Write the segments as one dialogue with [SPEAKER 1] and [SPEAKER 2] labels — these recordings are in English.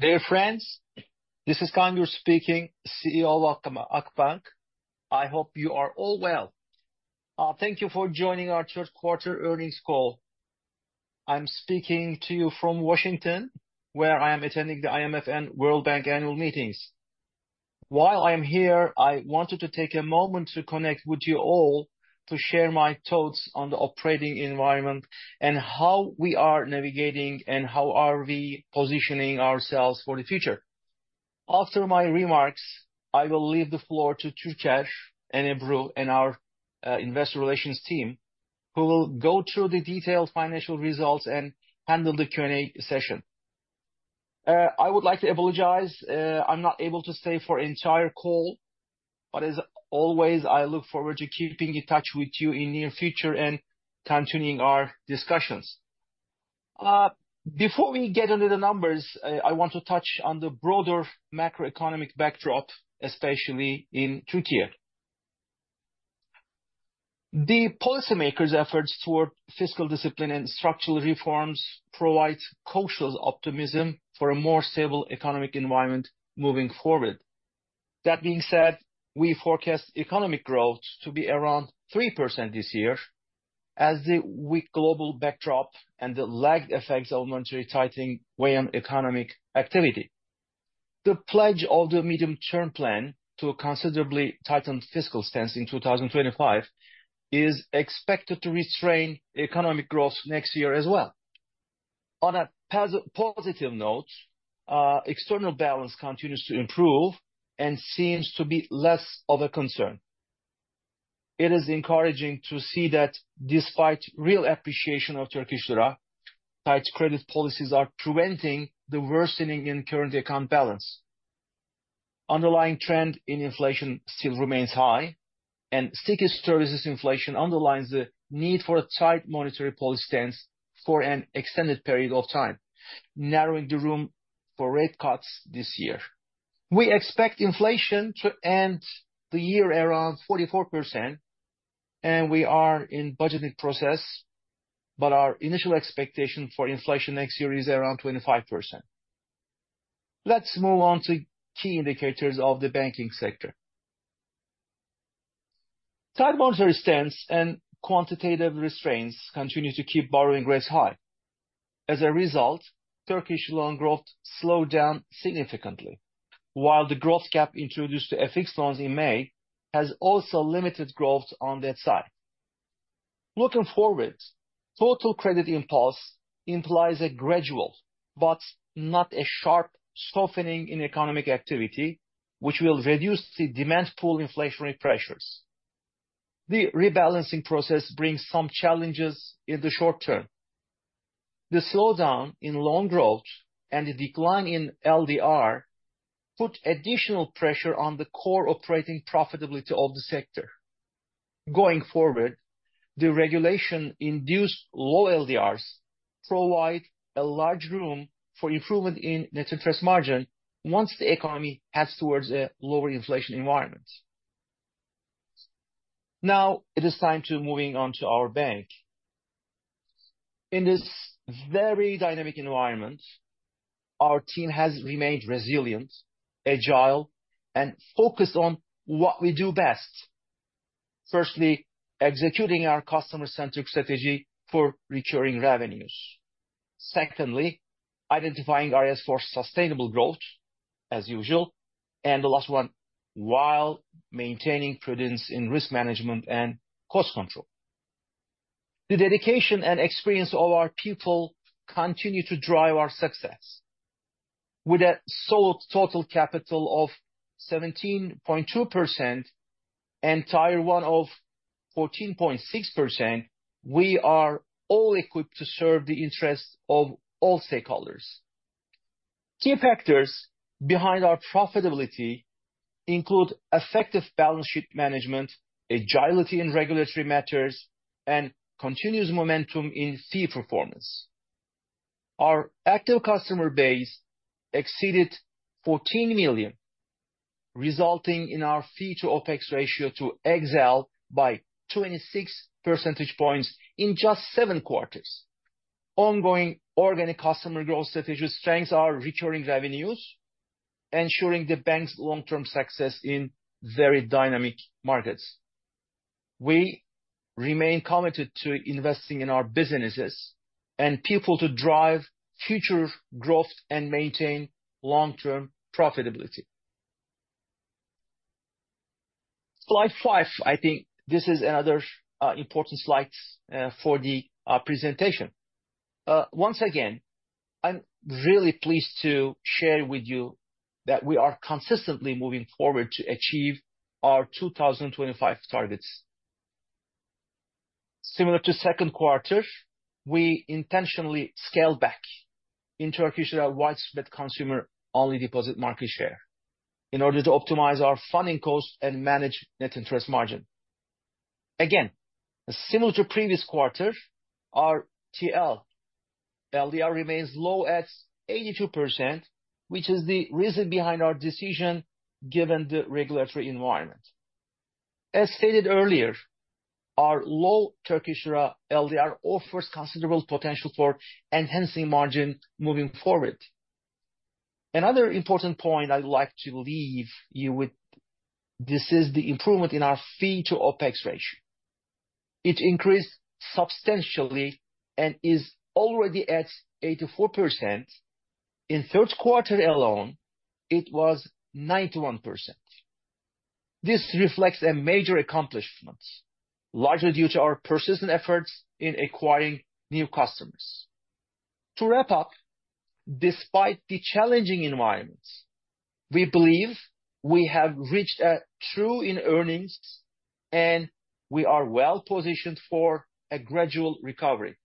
[SPEAKER 1] Dear friends, this is Kaan Gür speaking, CEO of Akbank. I hope you are all well. Thank you for joining our third quarter earnings call. I'm speaking to you from Washington, where I am attending the IMF and World Bank annual meetings. While I am here, I wanted to take a moment to connect with you all, to share my thoughts on the operating environment and how we are navigating and how are we positioning ourselves for the future. After my remarks, I will leave the floor to Türker, and Ebru, and our investor relations team, who will go through the detailed financial results and handle the Q&A session. I would like to apologize. I'm not able to stay for entire call, but as always, I look forward to keeping in touch with you in near future and continuing our discussions. Before we get into the numbers, I want to touch on the broader macroeconomic backdrop, especially in Turkey. The policymakers' efforts toward fiscal discipline and structural reforms provide cautious optimism for a more stable economic environment moving forward. That being said, we forecast economic growth to be around 3% this year, as the weak global backdrop and the lagged effects of monetary tightening weigh on economic activity. The pledge of the Medium Term Plan to a considerably tightened fiscal stance in 2025 is expected to restrain economic growth next year as well. On a positive note, external balance continues to improve and seems to be less of a concern. It is encouraging to see that despite real appreciation of Turkish Lira, tight credit policies are preventing the worsening in current account balance. Underlying trend in inflation still remains high, and sticky services inflation underlines the need for a tight monetary policy stance for an extended period of time, narrowing the room for rate cuts this year. We expect inflation to end the year around 44%, and we are in budgeting process, but our initial expectation for inflation next year is around 25%. Let's move on to key indicators of the banking sector. Tight monetary stance and quantitative restraints continue to keep borrowing rates high. As a result, Turkish loan growth slowed down significantly, while the growth cap introduced to FX loans in May has also limited growth on that side. Looking forward, total credit impulse implies a gradual but not a sharp softening in economic activity, which will reduce the demand pool inflationary pressures. The rebalancing process brings some challenges in the short term. The slowdown in loan growth and the decline in LDR put additional pressure on the core operating profitability of the sector. Going forward, the regulation-induced low LDRs provide a large room for improvement in net interest margin once the economy heads towards a lower inflation environment. Now, it is time to moving on to our bank. In this very dynamic environment, our team has remained resilient, agile, and focused on what we do best. Firstly, executing our customer-centric strategy for recurring revenues. Secondly, identifying areas for sustainable growth, as usual. And the last one, while maintaining prudence in risk management and cost control. The dedication and experience of our people continue to drive our success. With a solid total capital of 17.2%, and Tier 1 of 14.6%, we are well equipped to serve the interests of all stakeholders. Key factors behind our profitability include effective balance sheet management, agility in regulatory matters, and continuous momentum in fee performance. Our active customer base exceeded fourteen million, resulting in our fee-to-OpEx ratio to excel by twenty-six percentage points in just seven quarters. Ongoing organic customer growth strategy strengths are recurring revenues, ensuring the bank's long-term success in very dynamic markets. We remain committed to investing in our businesses and people to drive future growth and maintain long-term profitability. Slide five, I think this is another important slide for the presentation. Once again, I'm really pleased to share with you that we are consistently moving forward to achieve our two thousand and twenty-five targets. Similar to second quarter, we intentionally scaled back in Turkish Lira widespread consumer-only deposit market share, in order to optimize our funding costs and manage net interest margin. Again, similar to previous quarters, our TL LDR remains low at 82%, which is the reason behind our decision, given the regulatory environment. As stated earlier, our low Turkish Lira LDR offers considerable potential for enhancing margin moving forward. Another important point I'd like to leave you with, this is the improvement in our fee-to-OpEx ratio. It increased substantially and is already at 84%. In third quarter alone, it was 91%. This reflects a major accomplishment, largely due to our persistent efforts in acquiring new customers. To wrap up, despite the challenging environments, we believe we have reached a trough in earnings, and we are well positioned for a gradual recovery.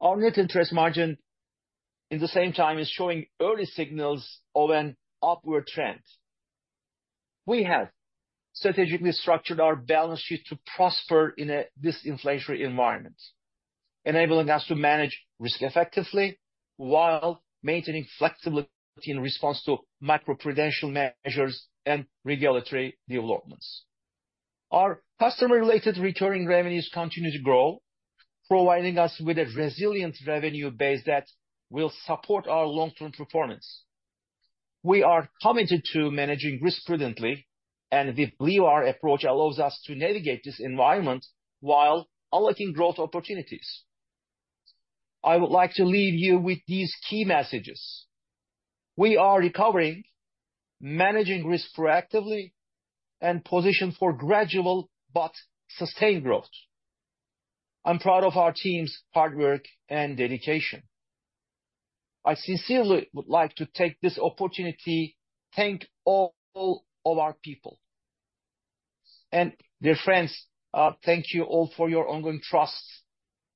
[SPEAKER 1] Our net interest margin, in the same time, is showing early signals of an upward trend. We have strategically structured our balance sheet to prosper in a disinflationary environment, enabling us to manage risk effectively while maintaining flexibility in response to macroprudential measures and regulatory developments. Our customer-related recurring revenues continue to grow, providing us with a resilient revenue base that will support our long-term performance. We are committed to managing risk prudently, and we believe our approach allows us to navigate this environment while unlocking growth opportunities. I would like to leave you with these key messages: We are recovering, managing risk proactively, and positioned for gradual but sustained growth. I'm proud of our team's hard work and dedication. I sincerely would like to take this opportunity to thank all of our people. And dear friends, thank you all for your ongoing trust,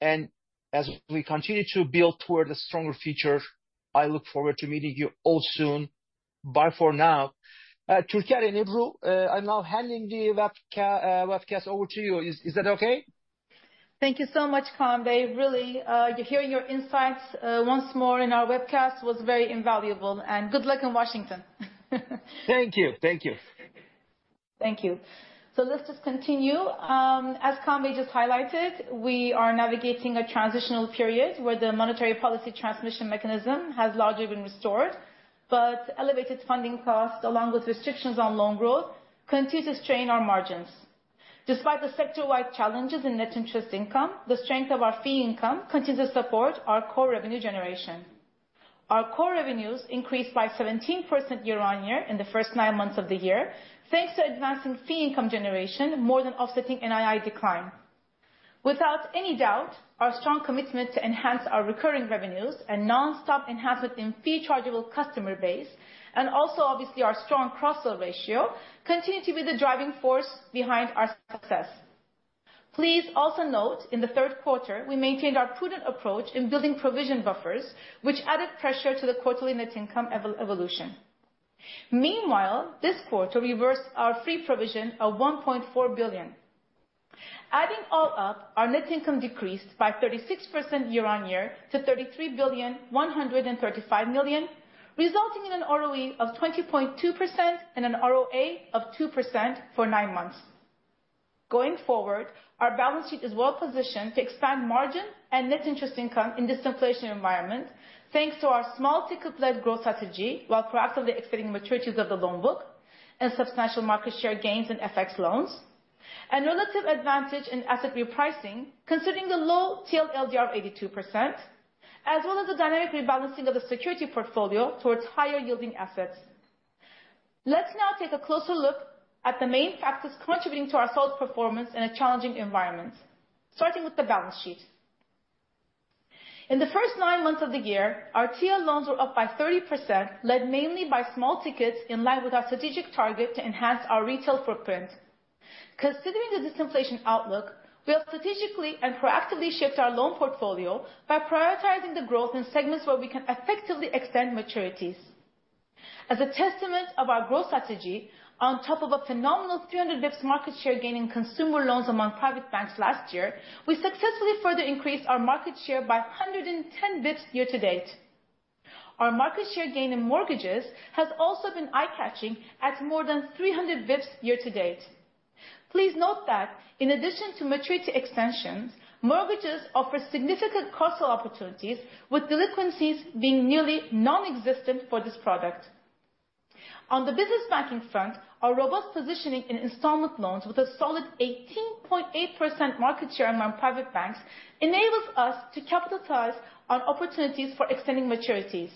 [SPEAKER 1] and as we continue to build toward a stronger future, I look forward to meeting you all soon. Bye for now. Türker and Ebru, I'm now handing the webcast over to you. Is that okay?
[SPEAKER 2] Thank you so much, Kaan Gür. Really, hearing your insights once more in our webcast was very invaluable, and good luck in Washington.
[SPEAKER 1] Thank you. Thank you.
[SPEAKER 2] Thank you. Let's just continue. As Kaan Gür just highlighted, we are navigating a transitional period where the monetary policy transmission mechanism has largely been restored, but elevated funding costs, along with restrictions on loan growth, continue to strain our margins. Despite the sector-wide challenges in net interest income, the strength of our fee income continues to support our core revenue generation. Our core revenues increased by 17% year-on-year in the first nine months of the year, thanks to advancing fee income generation, more than offsetting NII decline. Without any doubt, our strong commitment to enhance our recurring revenues and nonstop enhancement in fee-chargeable customer base, and also obviously our strong cross-sell ratio, continue to be the driving force behind our success. Please also note, in the third quarter, we maintained our prudent approach in building provision buffers, which added pressure to the quarterly net income evolution. Meanwhile, this quarter, we reversed our free provision of 1.4 billion. Adding all up, our net income decreased by 36% year-on-year to 33.135 billion, resulting in an ROE of 20.2% and an ROA of 2% for nine months. Going forward, our balance sheet is well positioned to expand margin and net interest income in this inflation environment, thanks to our small ticket-led growth strategy, while proactively extending maturities of the loan book and substantial market share gains in FX loans, and relative advantage in asset repricing, considering the low TL LDR of 82%, as well as the dynamic rebalancing of the security portfolio towards higher yielding assets. Let's now take a closer look at the main factors contributing to our solid performance in a challenging environment, starting with the balance sheet. In the first nine months of the year, our TL loans were up by 30%, led mainly by small tickets in line with our strategic target to enhance our retail footprint. Considering the disinflation outlook, we have strategically and proactively shifted our loan portfolio by prioritizing the growth in segments where we can effectively extend maturities. As a testament of our growth strategy, on top of a phenomenal 300 basis points market share gain in consumer loans among private banks last year, we successfully further increased our market share by 110 basis points year to date. Our market share gain in mortgages has also been eye-catching at more than 300 basis points year to date. Please note that in addition to maturity extensions, mortgages offer significant cost advantages, with delinquencies being nearly non-existent for this product. On the business banking front, our robust positioning in installment loans with a solid 18.8% market share among private banks enables us to capitalize on opportunities for extending maturities.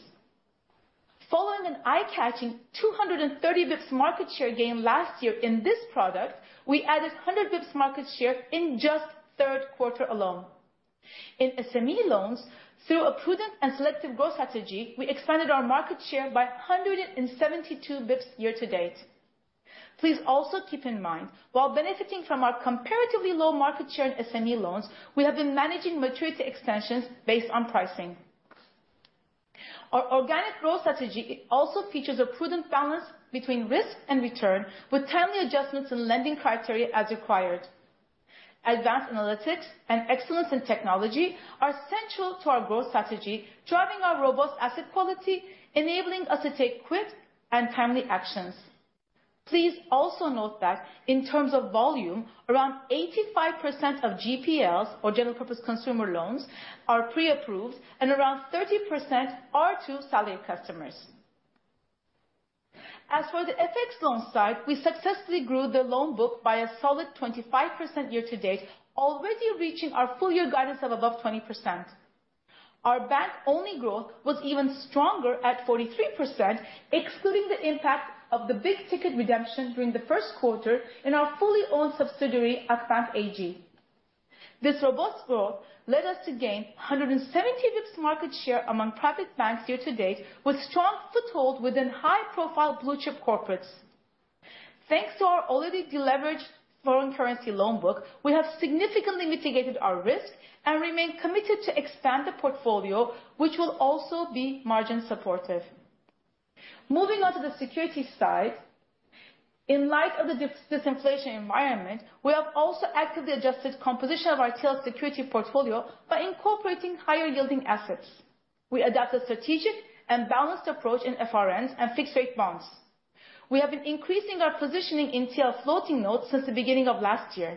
[SPEAKER 2] Following an eye-catching 230 basis points market share gain last year in this product, we added 100 basis points market share in just third quarter alone. In SME loans, through a prudent and selective growth strategy, we expanded our market share by 172 basis points year to date. Please also keep in mind, while benefiting from our comparatively low market share in SME loans, we have been managing maturity extensions based on pricing. Our organic growth strategy also features a prudent balance between risk and return, with timely adjustments in lending criteria as required.... Advanced analytics and excellence in technology are central to our growth strategy, driving our robust asset quality, enabling us to take quick and timely actions. Please also note that in terms of volume, around 85% of GPLs, or general purpose consumer loans, are pre-approved and around 30% are to salary customers. As for the FX loan side, we successfully grew the loan book by a solid 25% year to date, already reaching our full year guidance of above 20%. Our bank-only growth was even stronger at 43%, excluding the impact of the big ticket redemption during the first quarter in our fully owned subsidiary, Akbank AG. This robust growth led us to gain 170 basis points market share among private banks year to date, with strong foothold within high-profile blue-chip corporates. Thanks to our already deleveraged foreign currency loan book, we have significantly mitigated our risk and remain committed to expand the portfolio, which will also be margin supportive. Moving on to the securities side. In light of the disinflation environment, we have also actively adjusted composition of our TL security portfolio by incorporating higher yielding assets. We adopted strategic and balanced approach in FRNs and fixed rate bonds. We have been increasing our positioning in TL floating notes since the beginning of last year.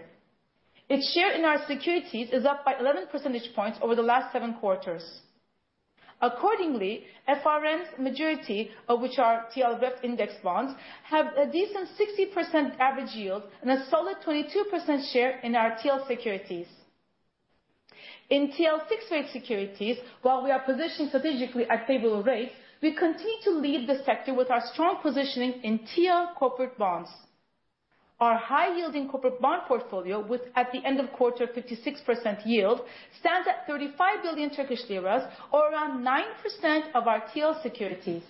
[SPEAKER 2] Its share in our securities is up by 11 percentage points over the last seven quarters. Accordingly, FRNs, majority of which are TL BIST index bonds, have a decent 60% average yield and a solid 22% share in our TL securities. In TL fixed rate securities, while we are positioned strategically at favorable rates, we continue to lead the sector with our strong positioning in TL corporate bonds. Our high-yielding corporate bond portfolio, with at the end of quarter, 56% yield, stands at 35 billion Turkish lira, or around 9% of our TL securities.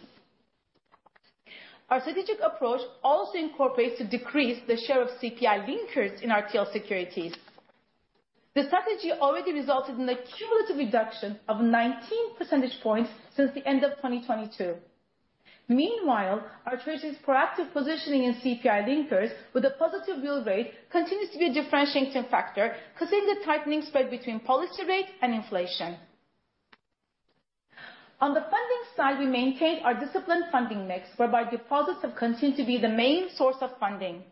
[SPEAKER 2] Our strategic approach also incorporates to decrease the share of CPI linkers in our TL securities. The strategy already resulted in a cumulative reduction of 19 percentage points since the end of 2022. Meanwhile, our treasury's proactive positioning in CPI linkers with a positive yield rate continues to be a differentiating factor, considering the tightening spread between policy rate and inflation. On the funding side, we maintain our disciplined funding mix, whereby deposits have continued to be the main source of funding.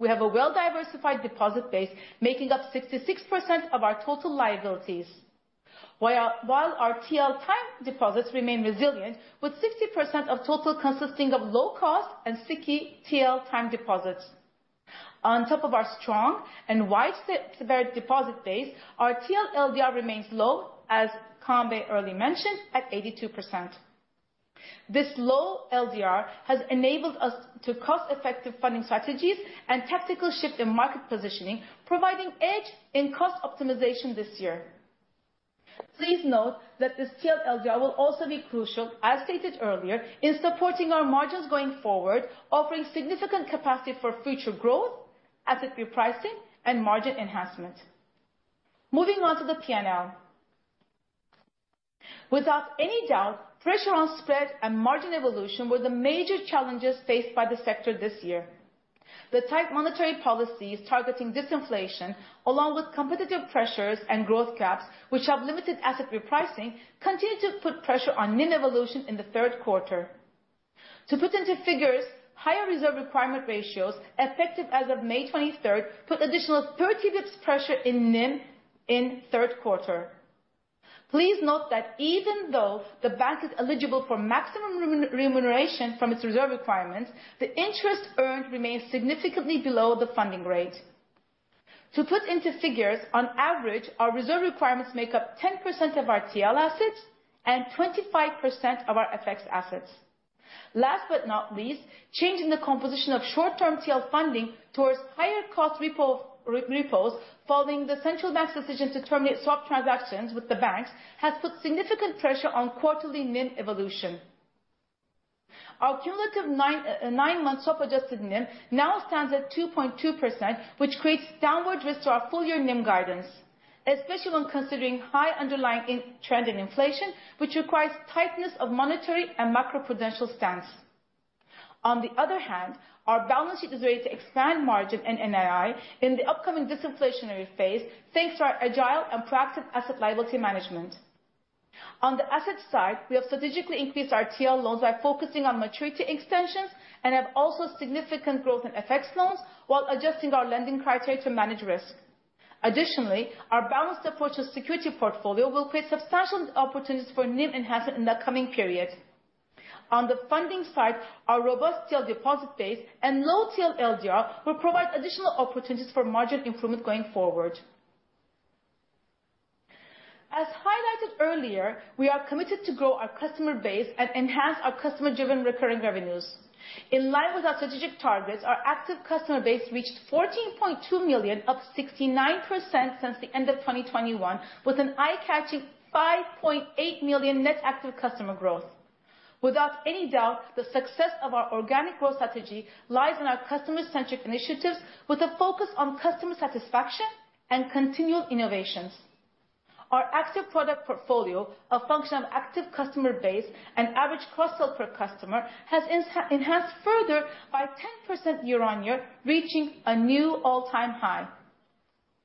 [SPEAKER 2] We have a well-diversified deposit base, making up 66% of our total liabilities. While our TL time deposits remain resilient, with 60% of total consisting of low cost and sticky TL time deposits. On top of our strong and widespread deposit base, our TL LDR remains low, as Kaan earlier mentioned, at 82%. This low LDR has enabled us to cost-effective funding strategies and tactical shift in market positioning, providing edge in cost optimization this year. Please note that this TL LDR will also be crucial, as stated earlier, in supporting our margins going forward, offering significant capacity for future growth, asset repricing, and margin enhancement. Moving on to the P&L. Without any doubt, pressure on spread and margin evolution were the major challenges faced by the sector this year. The tight monetary policies targeting disinflation, along with competitive pressures and growth gaps, which have limited asset repricing, continued to put pressure on NIM evolution in the third quarter. To put into figures, higher reserve requirement ratios, effective as of May 23rd, put additional thirty basis points pressure in NIM in third quarter. Please note that even though the bank is eligible for maximum remuneration from its reserve requirements, the interest earned remains significantly below the funding rate. To put into figures, on average, our reserve requirements make up 10% of our TL assets and 25% of our FX assets. Last but not least, change in the composition of short-term TL funding towards higher cost repos, following the Central Bank's decision to terminate swap transactions with the banks, has put significant pressure on quarterly NIM evolution. Our cumulative nine months of adjusted NIM now stands at 2.2%, which creates downward risk to our full year NIM guidance, especially when considering high underlying inflation trend, which requires tightness of monetary and macroprudential stance. On the other hand, our balance sheet is ready to expand margin and NII in the upcoming disinflationary phase, thanks to our agile and proactive asset liability management. On the asset side, we have strategically increased our TL loans by focusing on maturity extensions and have also significant growth in FX loans while adjusting our lending criteria to manage risk. Additionally, our balanced approach to securities portfolio will create substantial opportunities for NIM enhancement in the coming period. On the funding side, our robust TL deposit base and low TL LDR will provide additional opportunities for margin improvement going forward. As highlighted earlier, we are committed to grow our customer base and enhance our customer-driven recurring revenues. In line with our strategic targets, our active customer base reached 14.2 million, up 69% since the end of 2021, with an eye-catching 5.8 million net active customer growth. Without any doubt, the success of our organic growth strategy lies in our customer-centric initiatives, with a focus on customer satisfaction and continual innovations. Our active product portfolio, a function of active customer base and average cross-sell per customer, has enhanced further by 10% year-on-year, reaching a new all-time high.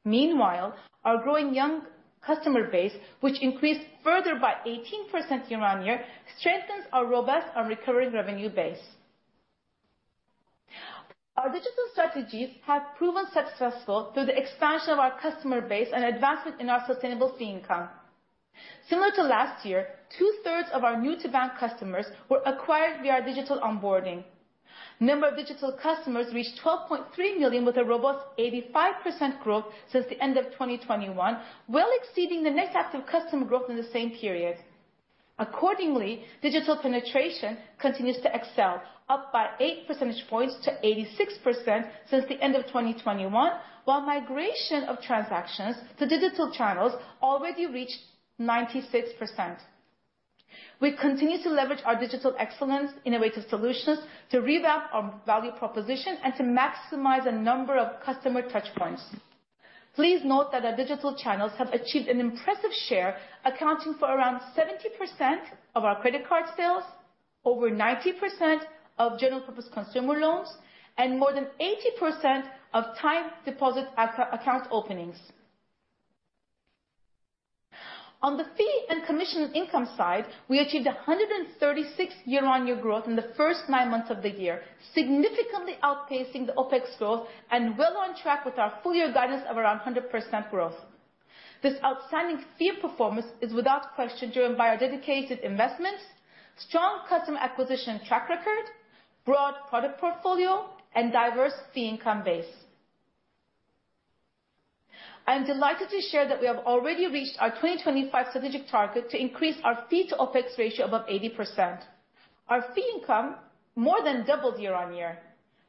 [SPEAKER 2] Meanwhile, our growing young customer base, which increased further by 18% year-on-year, strengthens our robust and recurring revenue base. Our digital strategies have proven successful through the expansion of our customer base and advancement in our sustainable fee income. Similar to last year, two-thirds of our new-to-bank customers were acquired via digital onboarding. Number of digital customers reached 12.3 million, with a robust 85% growth since the end of 2021, well exceeding the net active customer growth in the same period. Accordingly, digital penetration continues to excel, up by 8 percentage points to 86% since the end of 2021, while migration of transactions to digital channels already reached 96%. We continue to leverage our digital excellence innovative solutions to revamp our value proposition and to maximize the number of customer touchpoints. Please note that our digital channels have achieved an impressive share, accounting for around 70% of our credit card sales, over 90% of general-purpose consumer loans, and more than 80% of time deposit account openings. On the fee and commission income side, we achieved 136 year-on-year growth in the first nine months of the year, significantly outpacing the OpEx growth and well on track with our full year guidance of around 100% growth. This outstanding fee performance is, without question, driven by our dedicated investments, strong customer acquisition track record, broad product portfolio, and diverse fee income base. I am delighted to share that we have already reached our 2025 strategic target to increase our fee to OpEx ratio above 80%. Our fee income more than doubled year-on-year.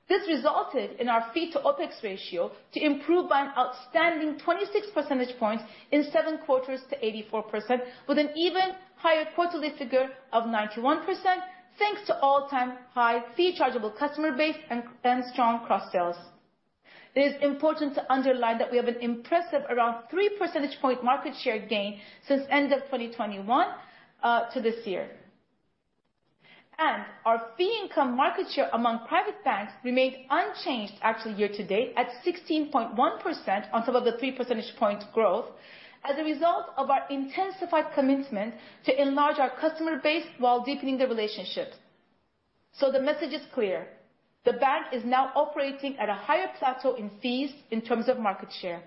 [SPEAKER 2] This resulted in our fee to OpEx ratio to improve by an outstanding 26 percentage points in 7 quarters to 84%, with an even higher quarterly figure of 91%, thanks to all-time high fee chargeable customer base and strong cross-sales. It is important to underline that we have an impressive around three percentage point market share gain since end of 2021 to this year. And our fee income market share among private banks remained unchanged actually year to date, at 16.1% on top of the three-percentage point growth, as a result of our intensified commitment to enlarge our customer base while deepening the relationships. So the message is clear: the bank is now operating at a higher plateau in fees in terms of market share.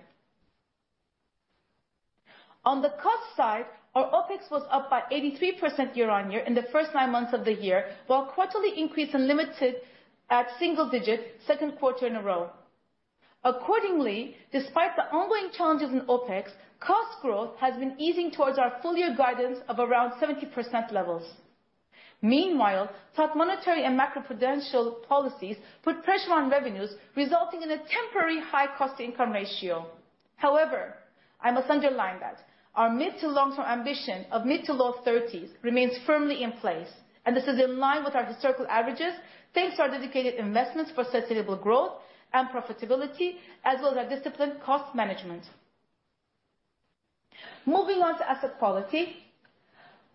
[SPEAKER 2] On the cost side, our OpEx was up by 83% year-on-year in the first nine months of the year, while quarterly increase in limited at single digit, second quarter in a row. Accordingly, despite the ongoing challenges in OpEx, cost growth has been easing towards our full year guidance of around 70% levels. Meanwhile, tough monetary and macroprudential policies put pressure on revenues, resulting in a temporary high cost-to-income ratio. However, I must underline that our mid to long-term ambition of mid to low thirties remains firmly in place, and this is in line with our historical averages, thanks to our dedicated investments for sustainable growth and profitability, as well as our disciplined cost management. Moving on to asset quality.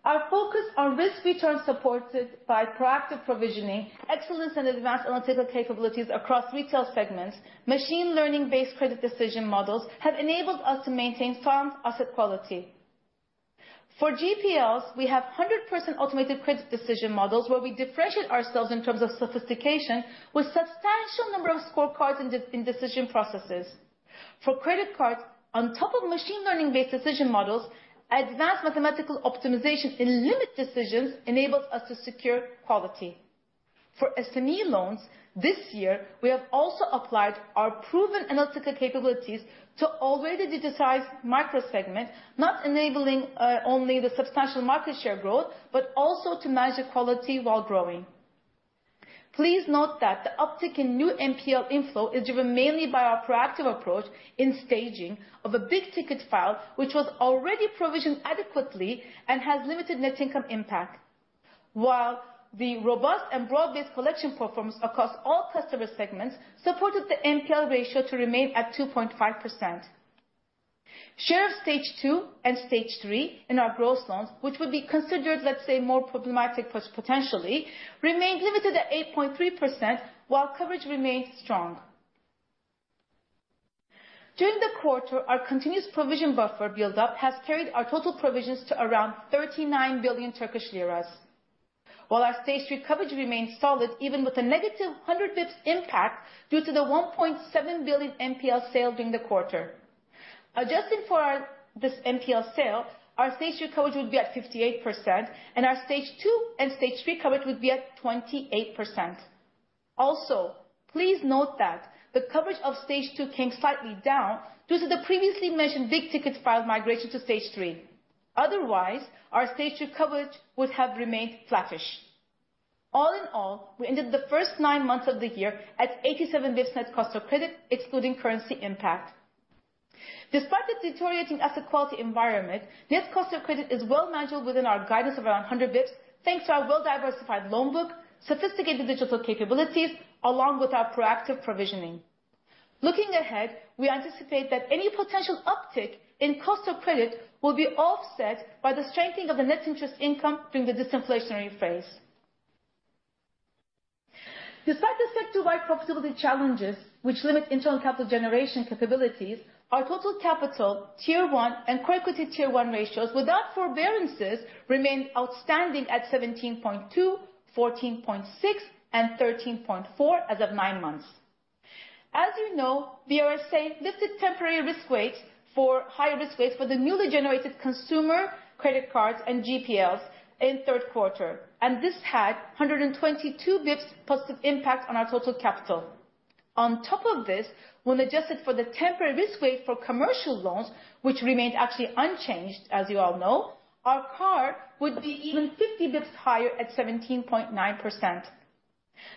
[SPEAKER 2] Our focus on risk return, supported by proactive provisioning, excellence and advanced analytical capabilities across retail segments, machine learning-based credit decision models, have enabled us to maintain strong asset quality. For GPLs, we have 100% automated credit decision models, where we differentiate ourselves in terms of sophistication with substantial number of scorecards in in decision processes. For credit cards, on top of machine learning-based decision models, advanced mathematical optimization in limit decisions enables us to secure quality. For SME loans, this year, we have also applied our proven analytical capabilities to already digitized micro segment, not enabling only the substantial market share growth, but also to manage the quality while growing. Please note that the uptick in new NPL inflow is driven mainly by our proactive approach in staging of a big ticket file, which was already provisioned adequately and has limited net income impact. While the robust and broad-based collection performance across all customer segments supported the NPL ratio to remain at 2.5%. Share of Stage 2 and Stage 3 in our gross loans, which would be considered, let's say, more problematic potentially, remained limited at 8.3%, while coverage remained strong. During the quarter, our continuous provision buffer build-up has carried our total provisions to around 39 billion Turkish lira, while our Stage 3 coverage remains solid, even with a negative 100 basis points impact, due to the 1.7 billion NPL sale during the quarter. Adjusting for this NPL sale, our Stage 3 coverage would be at 58%, and our Stage 2 and Stage 3 coverage would be at 28%. Also, please note that the coverage of Stage 2 came slightly down due to the previously mentioned big tickets file migration to Stage 3. Otherwise, our Stage 2 coverage would have remained flattish. All in all, we ended the first nine months of the year at 87 basis points net cost of credit, excluding currency impact. Despite the deteriorating asset quality environment, net cost of credit is well managed within our guidance of around 100 basis points, thanks to our well-diversified loan book, sophisticated digital capabilities, along with our proactive provisioning. Looking ahead, we anticipate that any potential uptick in cost of credit will be offset by the strengthening of the net interest income during the disinflationary phase. Despite the sector-wide profitability challenges, which limit internal capital generation capabilities, our total capital Tier 1 and Core Equity Tier 1 ratios without forbearances remained outstanding at 17.2%, 14.6%, and 13.4% as of nine months. As you know, we saw lifted temporary risk weights for high-risk weights for the newly generated consumer credit cards and GPLs in third quarter, and this had 122 basis points positive impact on our total capital. On top of this, when adjusted for the temporary risk weight for commercial loans, which remained actually unchanged, as you all know, our CAR would be even 50 basis points higher at 17.9%.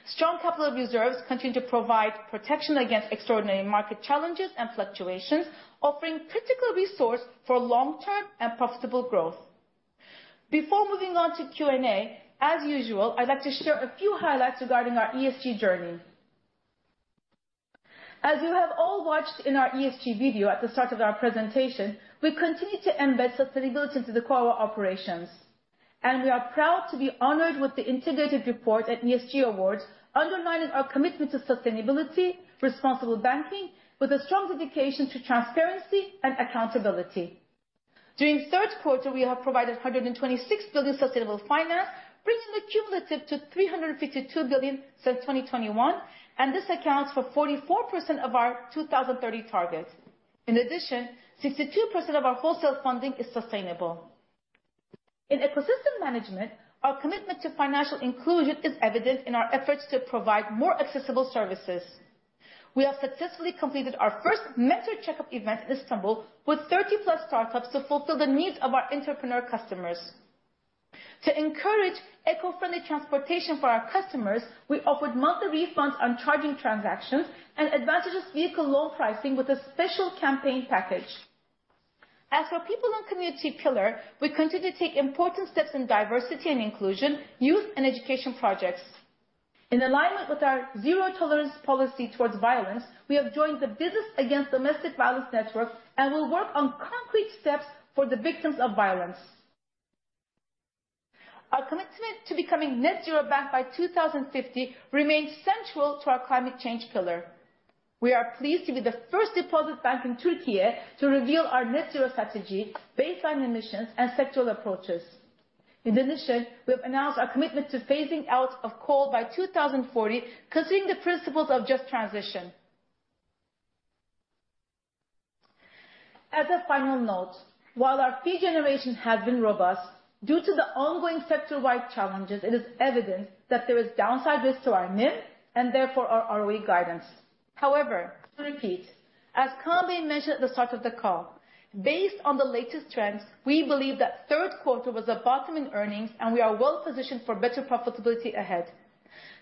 [SPEAKER 2] Strong capital reserves continue to provide protection against extraordinary market challenges and fluctuations, offering critical resource for long-term and profitable growth. Before moving on to Q&A, as usual, I'd like to share a few highlights regarding our ESG journey. As you have all watched in our ESG video at the start of our presentation, we continue to embed sustainability into the core operations, and we are proud to be honored with the Integrated Report at ESG Awards, underlining our commitment to sustainability, responsible banking, with a strong dedication to transparency and accountability. During the third quarter, we have provided 126 billion sustainable finance, bringing the cumulative to 352 billion since 2021, and this accounts for 44% of our 2030 targets. In addition, 62% of our wholesale funding is sustainable. In ecosystem management, our commitment to financial inclusion is evident in our efforts to provide more accessible services. We have successfully completed our first Mentor Check-up event in Istanbul, with 30+ startups to fulfill the needs of our entrepreneur customers. To encourage eco-friendly transportation for our customers, we offered monthly refunds on charging transactions and advantageous vehicle loan pricing with a special campaign package. As for people and community pillar, we continue to take important steps in diversity and inclusion, youth and education projects. In alignment with our zero tolerance policy towards violence, we have joined the Business Against Domestic Violence network, and we'll work on concrete steps for the victims of violence. Our commitment to becoming Net Zero bank by 2050 remains central to our climate change pillar. We are pleased to be the first deposit bank in Türkiye to reveal our Net Zero strategy, baseline emissions, and sectoral approaches. In addition, we have announced our commitment to phasing out of coal by 2040, considering the principles of just transition. As a final note, while our fee generation has been robust, due to the ongoing sector-wide challenges, it is evident that there is downside risk to our NIM and therefore our ROE guidance. However, to repeat, as Kaan Gür mentioned at the start of the call, based on the latest trends, we believe that third quarter was a bottom in earnings, and we are well positioned for better profitability ahead.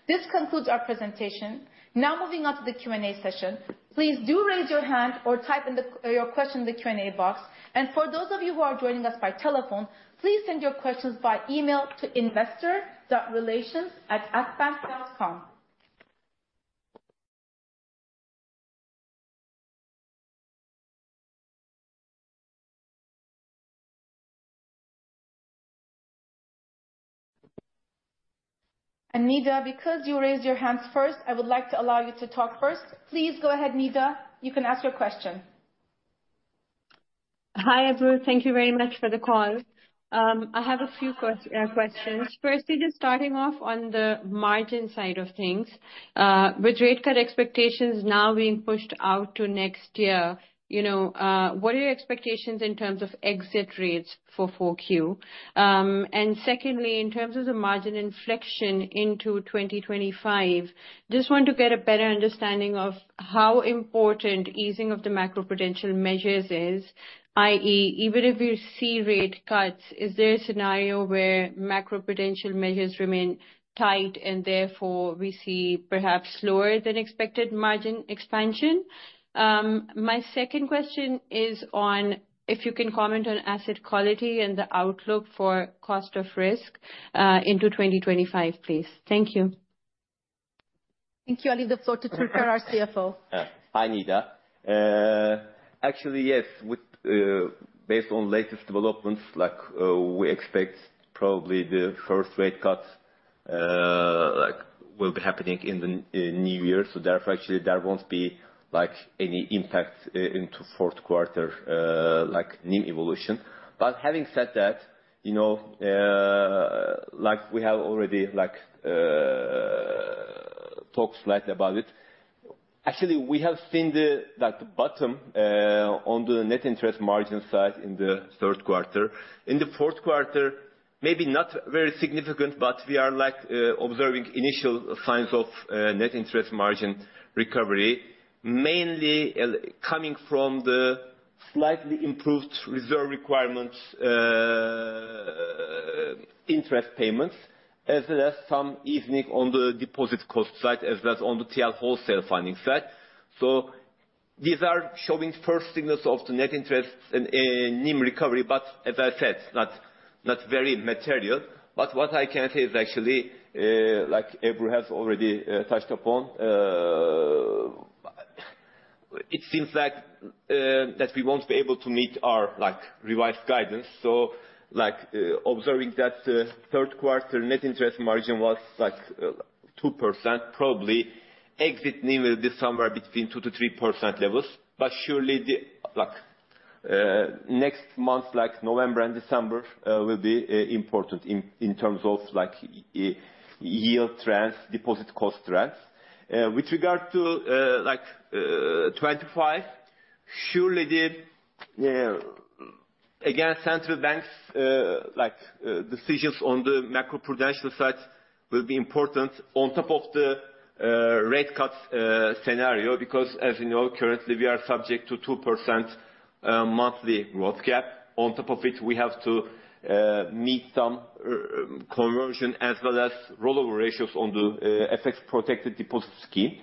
[SPEAKER 2] This concludes our presentation. Now, moving on to the Q&A session. Please do raise your hand or type in your question in the Q&A box, and for those of you who are joining us by telephone, please send your questions by email to investor.relations@akbank.com, and Nida, because you raised your hands first, I would like to allow you to talk first. Please go ahead, Nida. You can ask your question. Hi, Ebru. Thank you very much for the call. I have a few questions. Firstly, just starting off on the margin side of things, with rate cut expectations now being pushed out to next year, you know, what are your expectations in terms of exit rates for 4Q? And secondly, in terms of the margin inflection into 2025, just want to get a better understanding of how important easing of the macroprudential measures is, i.e., even if you see rate cuts, is there a scenario where macroprudential measures remain tight and therefore we see perhaps slower than expected margin expansion? My second question is on if you can comment on asset quality and the outlook for cost of risk, into 2025, please. Thank you. Thank you. I'll leave the floor to Türker, our CFO.
[SPEAKER 3] Hi, Nida. Actually, yes. Based on latest developments, like, we expect probably the first rate cuts, like, will be happening in the new year. So therefore, actually, there won't be, like, any impact into fourth quarter, like, NIM evolution. But having said that, you know, like, we have already, like, talked slightly about it. Actually, we have seen the, like, bottom, on the net interest margin side in the third quarter. In the fourth quarter, maybe not very significant, but we are, like, observing initial signs of net interest margin recovery, mainly coming from the slightly improved reserve requirements, interest payments, as well as some easing on the deposit cost side, as well as on the TL wholesale funding side. So these are showing first signals of the net interest and NIM recovery, but as I said, not very material. But what I can say is actually, like Ebru has already touched upon, it seems like that we won't be able to meet our like revised guidance. So like, observing that, third quarter net interest margin was like 2%, probably exit NIM will be somewhere between 2%-3% levels. But surely the like next month like November and December will be important in terms of like yield trends, deposit cost trends. With regard to, like, 2025, surely the, again, Central Bank's, like, decisions on the macroprudential side will be important on top of the, rate cut, scenario, because as you know, currently we are subject to 2%, monthly growth gap. On top of it, we have to, meet some, conversion as well as rollover ratios on the, FX-protected deposit scheme.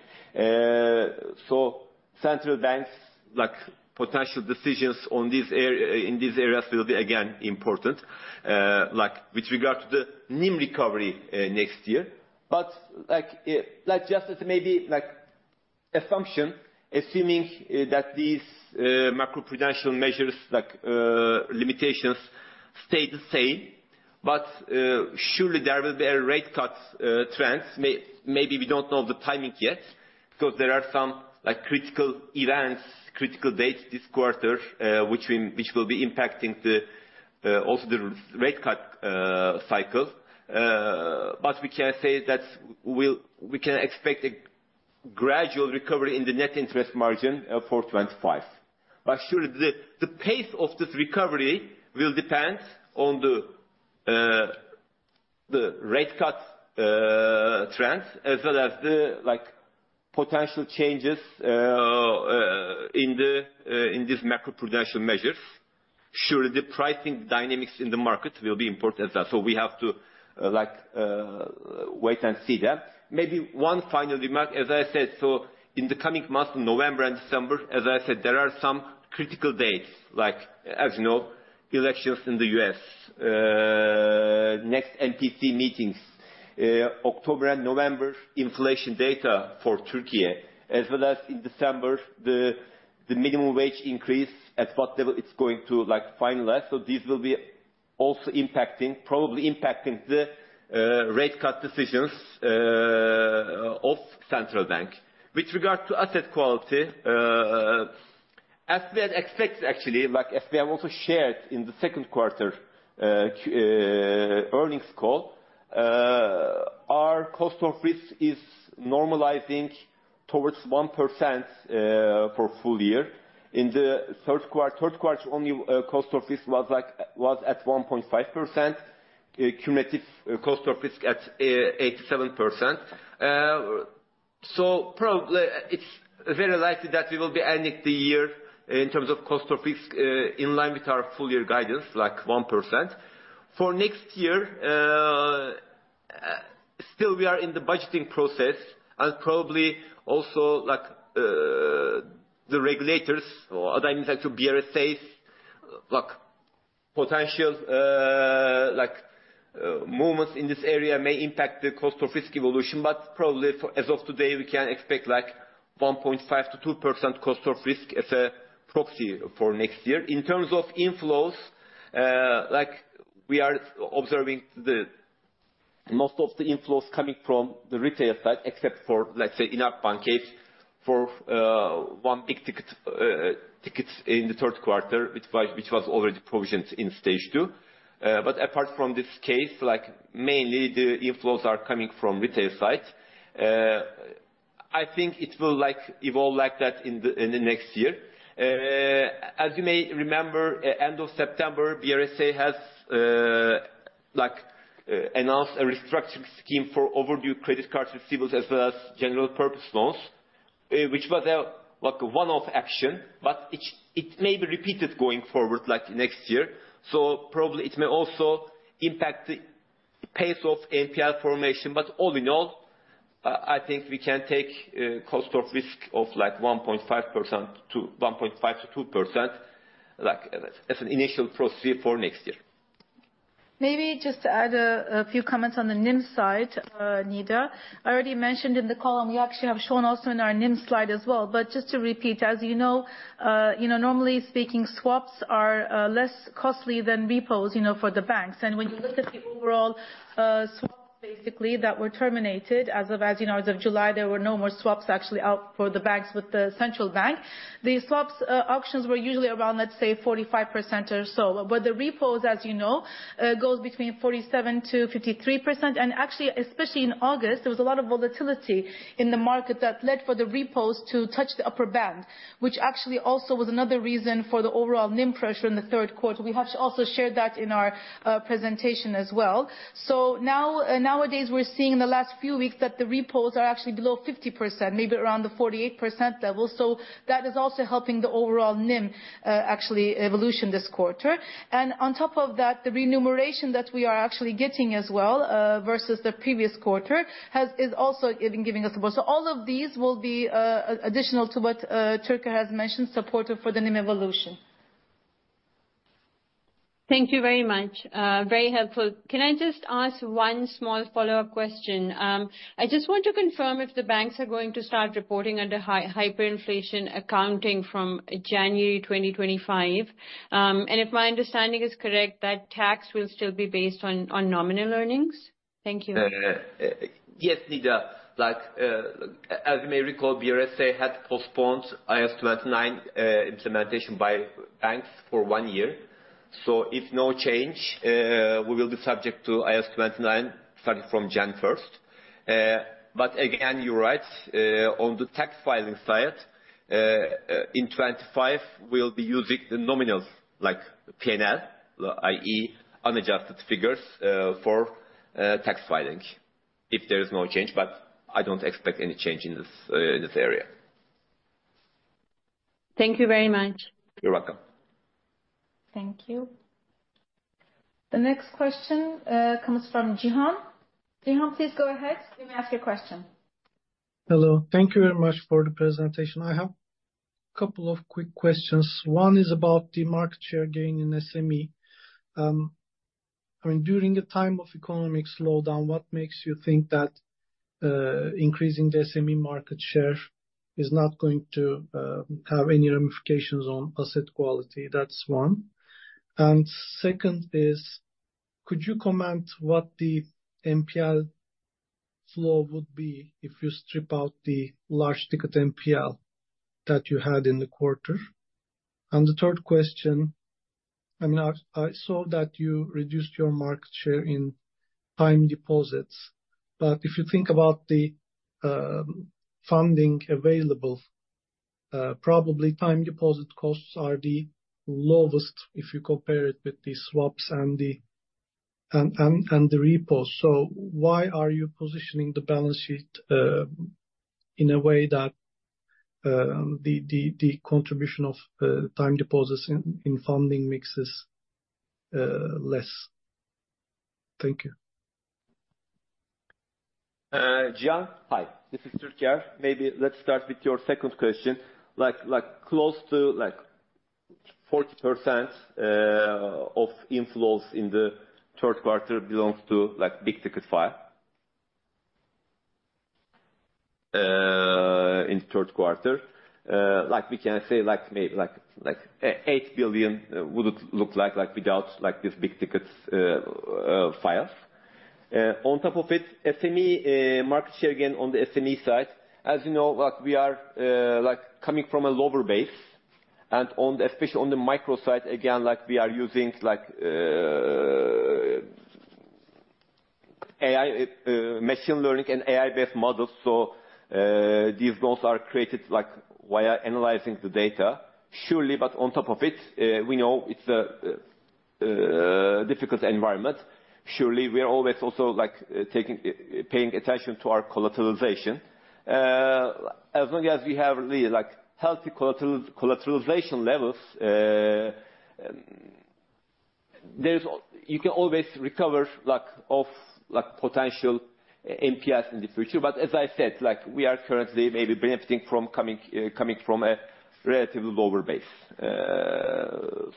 [SPEAKER 3] So Central Bank's, like, potential decisions on these area, in these areas will be again important, like with regard to the NIM recovery, next year. But like, like just as maybe like assumption, assuming, that these, macroprudential measures, like, limitations, stay the same, but, surely there will be a rate cut, trends. Maybe we don't know the timing yet, because there are some like critical events, critical dates this quarter, which will be impacting the rate cut cycle. But we can say that we can expect a gradual recovery in the net interest margin for twenty-five. Surely the pace of this recovery will depend on the rate cut trends, as well as the potential changes in these macroprudential measures. Surely, the pricing dynamics in the market will be important as well, so we have to wait and see then. Maybe one final remark, as I said, so in the coming months, November and December, as I said, there are some critical dates, like, as you know, elections in the U.S., next MPC meetings, October and November inflation data for Turkey, as well as in December, the minimum wage increase, at what level it's going to like finalize. So these will be also impacting, probably impacting the rate cut decisions of Central Bank. With regard to asset quality, as we had expected, actually, like, as we have also shared in the second quarter earnings call, our cost of risk is normalizing towards 1% for full year. In the third quarter only, cost of risk was at 1.5%, cumulative cost of risk at 87%. So probably, it's very likely that we will be ending the year in terms of cost of risk in line with our full year guidance, like 1%. For next year, still we are in the budgeting process and probably also, like, the regulators, or I mean, like to be safe, like potential movements in this area may impact the cost of risk evolution, but probably for as of today, we can expect like 1.5%-2% cost of risk as a proxy for next year. In terms of inflows, like, we are observing the most of the inflows coming from the retail side, except for, let's say, in our bank case, for one big ticket in the third quarter, which was already provisioned in Stage 2. But apart from this case, like, mainly the inflows are coming from retail side. I think it will, like, evolve like that in the next year. As you may remember, end of September, BRSA has, like, announced a restructuring scheme for overdue credit card receivables as well as general purpose loans, which was a, like a one-off action, but it may be repeated going forward, like next year. So probably it may also impact the pace of NPL formation. But all in all, I think we can take cost of risk of like 1.5%-2%, like, as an initial procedure for next year.
[SPEAKER 2] Maybe just to add a few comments on the NIM side, Nida. I already mentioned in the call, and we actually have shown also in our NIM slide as well. But just to repeat, as you know, you know, normally speaking, swaps are less costly than repos, you know, for the banks. And when you look at the overall swaps, basically, that were terminated, as of, as you know, as of July, there were no more swaps actually out for the banks with the Central Bank. The swaps options were usually around, let's say, 45% or so. But the repos, as you know, goes between 47%-53%. Actually, especially in August, there was a lot of volatility in the market that led for the repos to touch the upper band, which actually also was another reason for the overall NIM pressure in the third quarter. We have also shared that in our presentation as well. So now, nowadays, we're seeing in the last few weeks that the repos are actually below 50%, maybe around the 48% level. So that is also helping the overall NIM actually evolution this quarter. And on top of that, the remuneration that we are actually getting as well versus the previous quarter is also giving us support. So all of these will be additional to what Türker has mentioned, supportive for the NIM evolution. Thank you very much, very helpful. Can I just ask one small follow-up question? I just want to confirm if the banks are going to start reporting under hyperinflation accounting from January twenty twenty-five, and if my understanding is correct, that tax will still be based on nominal earnings? Thank you.
[SPEAKER 3] Yes, Nida. Like, as you may recall, BRSA had postponed IAS 29 implementation by banks for one year, so if no change, we will be subject to IAS 29, starting from January first, but again, you're right, on the tax filing side, in 2025, we'll be using the nominals like PNL, i.e., unadjusted figures, for tax filing, if there is no change, but I don't expect any change in this area. Thank you very much. You're welcome.
[SPEAKER 2] Thank you. The next question comes from Cihan. Cihan, please go ahead. You may ask your question. Hello. Thank you very much for the presentation. I have couple of quick questions. One is about the market share gain in SME. I mean, during the time of economic slowdown, what makes you think that increasing the SME market share is not going to have any ramifications on asset quality? That's one. And second is: could you comment what the NPL flow would be if you strip out the large ticket NPL that you had in the quarter? And the third question, I mean, I saw that you reduced your market share in time deposits, but if you think about the funding available, probably time deposit costs are the lowest if you compare it with the swaps and the repos. So why are you positioning the balance sheet in a way that the contribution of time deposits in funding mixes less? Thank you.
[SPEAKER 3] Cihan, hi, this is Türker. Maybe let's start with your second question. Like, close to 40% of inflows in the third quarter belongs to big ticket files in the third quarter. Like, we can say, like, maybe like eight billion would it look like without these big tickets files. On top of it, SME market share gain on the SME side, as you know, like, we are coming from a lower base, and on the, especially on the micro side, again, like, we are using AI machine learning and AI-based models. So, these goals are created via analyzing the data. Surely, but on top of it, we know it's a difficult environment. Surely, we are always also like taking paying attention to our collateralization. As long as we have the like healthy collateralization levels, you can always recover like of like potential NPLs in the future. But as I said, like, we are currently maybe benefiting from coming from a relatively lower base,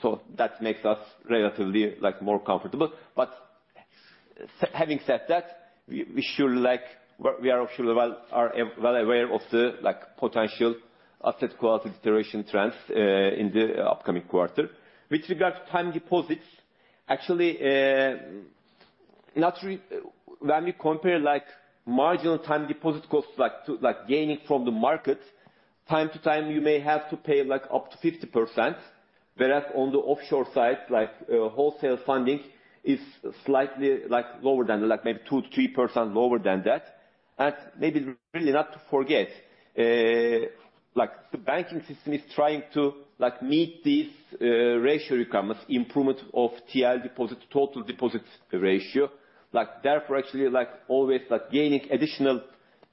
[SPEAKER 3] so that makes us relatively like more comfortable. But having said that, we surely like. We are surely well aware of the like potential asset quality deterioration trends in the upcoming quarter. With regard to time deposits, actually, when we compare like marginal time deposit costs like to like gaining from the market time to time, you may have to pay like up to 50%. Whereas on the offshore side, like, wholesale funding is slightly, like, lower than that, like maybe 2%-3% lower than that. And maybe really not to forget, like, the banking system is trying to, like, meet these, like, ratio requirements, improvement of TRY deposit, total deposits ratio. Like, therefore, actually, like, gaining additional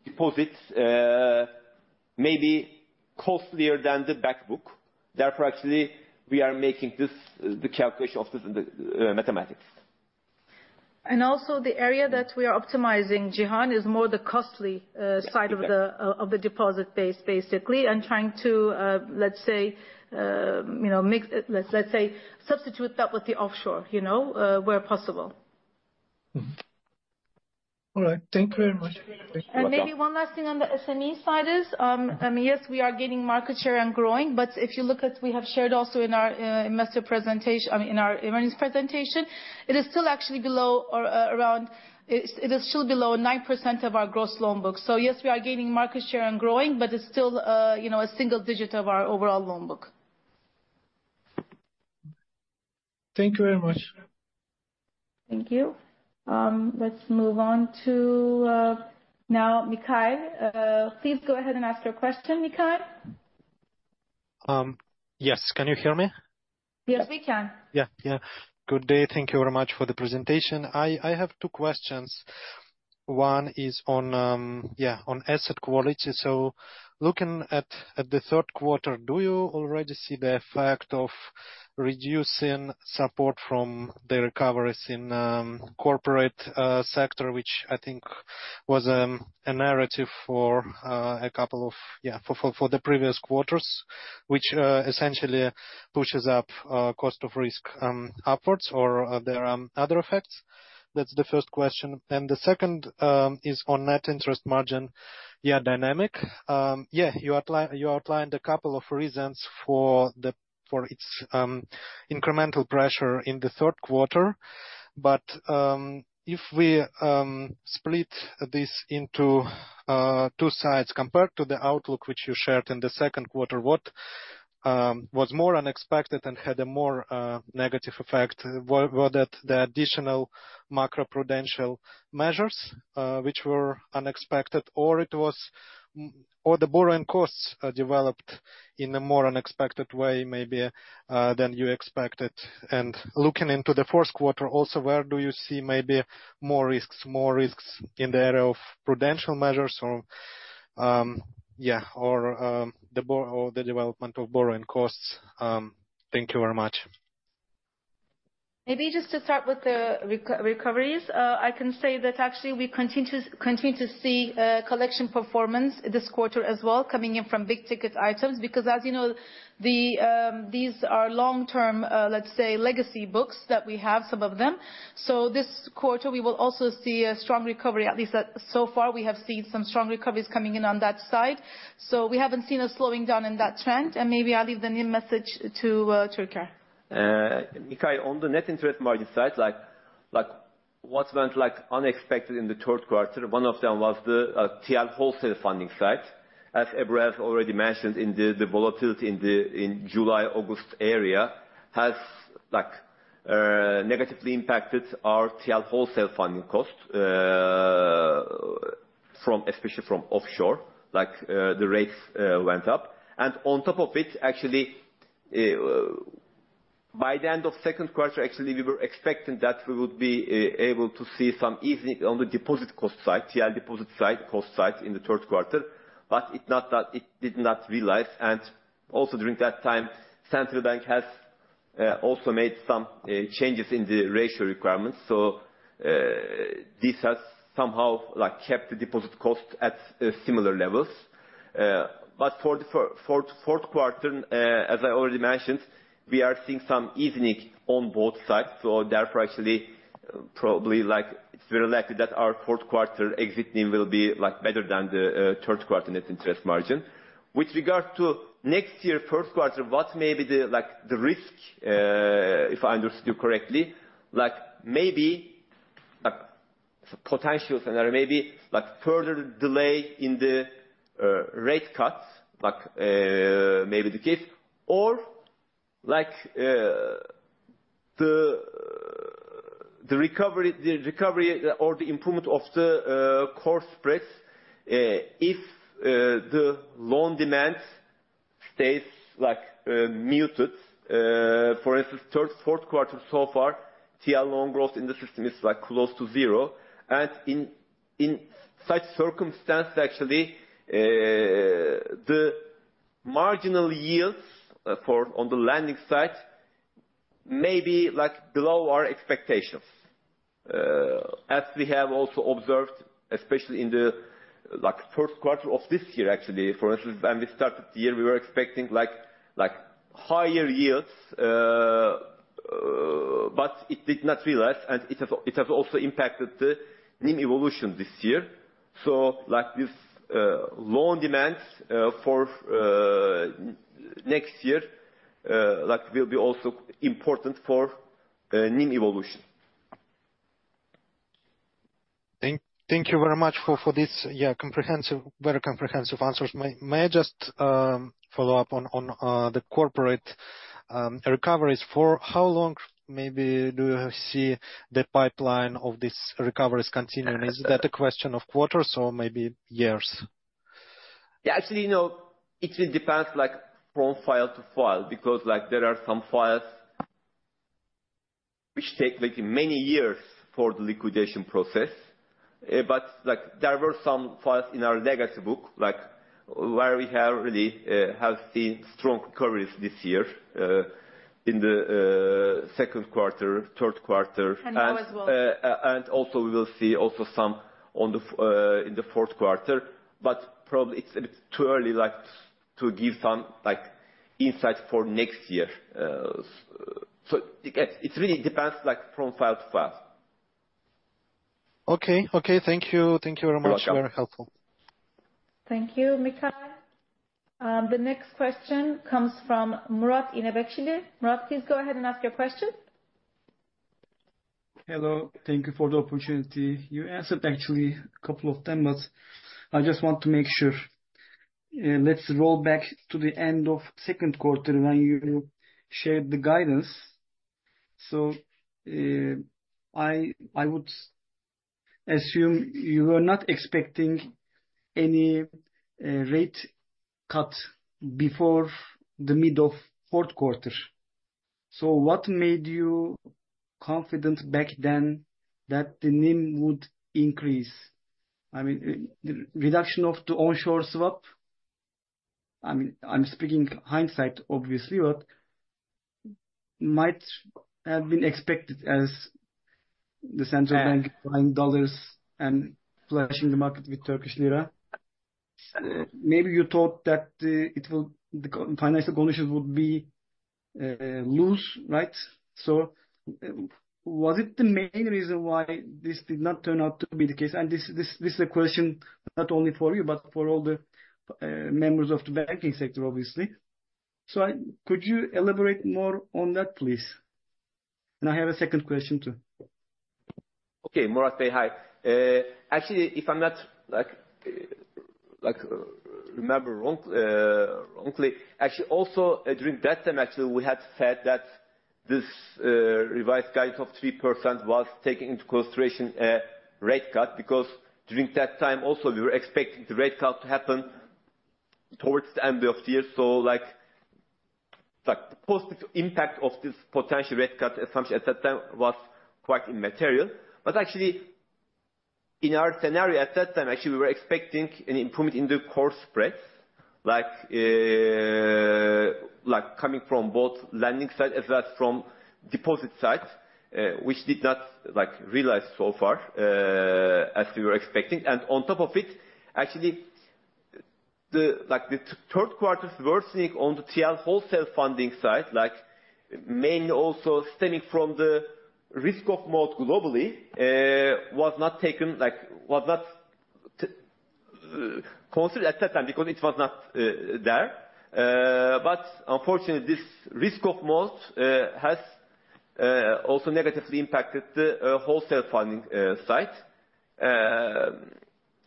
[SPEAKER 3] deposits, may be costlier than the back book. Therefore, actually, we are making this, the calculation of this, mathematics.
[SPEAKER 2] Also, the area that we are optimizing, Cihan, is more the costly,
[SPEAKER 3] Yes...
[SPEAKER 2] side of the deposit base, basically, and trying to, let's say, you know, mix, let's say substitute that with the offshore, you know, where possible. All right. Thank you very much.
[SPEAKER 3] You're welcome.
[SPEAKER 2] And maybe one last thing on the SME side is, yes, we are gaining market share and growing, but if you look at we have shared also in our investor presentation, I mean, in our earnings presentation, it is still actually below or around. It is still below 9% of our gross loan book. So yes, we are gaining market share and growing, but it's still, you know, a single digit of our overall loan book. Thank you very much. Thank you. Let's move on to now Mikhail. Please go ahead and ask your question, Mikhail. Yes. Can you hear me? Yes, we can. Yeah, yeah. Good day. Thank you very much for the presentation. I have two questions. One is on asset quality. So looking at the third quarter, do you already see the effect of reducing support from the recoveries in corporate sector, which I think was a narrative for a couple of the previous quarters? Which essentially pushes up cost of risk upwards or are there other effects? That's the first question. And the second is on net interest margin yeah dynamic. Yeah you outlined a couple of reasons for the for its incremental pressure in the third quarter. But if we split this into two sides compared to the outlook which you shared in the second quarter what was more unexpected and had a more negative effect? Were that the additional macro-prudential measures which were unexpected or it was or the borrowing costs developed in a more unexpected way maybe than you expected? And looking into the fourth quarter, also, where do you see maybe more risks, more risks in the area of prudential measures or the development of borrowing costs? Thank you very much. Maybe just to start with the recoveries, I can say that actually we continue to see collection performance this quarter as well, coming in from big ticket items. Because as you know, these are long-term, let's say, legacy books that we have, some of them. So this quarter, we will also see a strong recovery. At least, so far, we have seen some strong recoveries coming in on that side. So we haven't seen a slowing down in that trend, and maybe I'll leave the new message to Türker.
[SPEAKER 3] Mikhail, on the net interest margin side, like, what went, like, unexpected in the third quarter, one of them was the TL wholesale funding side. As Ebru has already mentioned, in the volatility in July, August area has, like, negatively impacted our TL wholesale funding costs, especially from offshore, like, the rates went up. And on top of it, actually, by the end of second quarter, actually, we were expecting that we would be able to see some easing on the deposit cost side, TL deposit side, cost side, in the third quarter. But it not that, it did not realize, and also during that time, Central Bank has also made some changes in the reserve requirements. So, this has somehow, like, kept the deposit cost at similar levels. But for the fourth quarter, as I already mentioned, we are seeing some easing on both sides. So therefore, actually, probably like, it's very likely that our fourth quarter exiting will be, like, better than the third quarter net interest margin. With regard to next year, first quarter, what may be the, like, the risk, if I understood you correctly, like, maybe, like, potentials and there may be, like, further delay in the rate cuts, like, may be the case or like, the recovery or the improvement of the core spreads, if the loan demand stays, like, muted. For instance, third, fourth quarter so far, TL loan growth in the system is, like, close to zero. In such circumstances, actually, the marginal yields on the lending side may be like below our expectations. As we have also observed, especially in the first quarter of this year, actually. For instance, when we started the year, we were expecting like higher yields, but it did not realize, and it has also impacted the NIM evolution this year. Like, this loan demand for next year like will be also important for NIM evolution. Thank you very much for this, yeah, comprehensive, very comprehensive answers. May I just follow up on the corporate recoveries? For how long maybe do you see the pipeline of this recoveries continuing? Is that a question of quarters or maybe years? Yeah, actually, no, it depends, like, from file to file, because, like, there are some files which take like many years for the liquidation process. But, like, there were some files in our legacy book, like, where we have really, have seen strong recoveries this year, in the second quarter, third quarter, and-
[SPEAKER 2] And now as well....
[SPEAKER 3] and also we will see some in the fourth quarter, but probably it's too early, like, to give some, like, insight for next year. So it really depends, like, from file to file. Okay, okay. Thank you. Thank you very much. You're welcome. Very helpful.
[SPEAKER 2] Thank you, Mikhail. The next question comes from Murat İğnebekçili. Murat, please go ahead and ask your question. Hello. Thank you for the opportunity. You answered actually a couple of them, but I just want to make sure. Let's roll back to the end of second quarter when you shared the guidance. So, I would assume you were not expecting any rate cut before the middle of fourth quarter. So what made you confident back then that the NIM would increase? I mean, reduction of the onshore swap? I mean, I'm speaking in hindsight, obviously, but might have been expected as the Central Bank buying dollars and flushing the market with Turkish Lira. Maybe you thought that it will, the financial conditions would be loose, right? So, was it the main reason why this did not turn out to be the case? This is a question not only for you, but for all the members of the banking sector, obviously. Could you elaborate more on that, please? I have a second question, too.
[SPEAKER 3] Okay, Murat, say hi. Actually, if I'm not, like, remember wrong, wrongly, actually, also, during that time, actually, we had said that this revised guidance of 3% was taking into consideration a rate cut, because during that time also, we were expecting the rate cut to happen towards the end of the year. So like, the positive impact of this potential rate cut assumption at that time was quite immaterial. But actually, in our scenario at that time, actually, we were expecting an improvement in the core spreads, like, coming from both lending side as well as from deposit side, which did not, like, realize so far, as we were expecting. And on top of it, actually, the, like, the third quarter's worsening on the TL wholesale funding side, like mainly also stemming from the risk-off mode globally, was not taken, like, was not considered at that time because it was not there. But unfortunately, this risk-off mode has also negatively impacted the wholesale funding side.